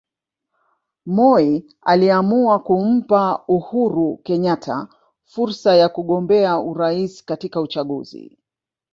Moi aliamua kumpa Uhuru Kenyatta fursa ya kugombea urais katika uchaguzi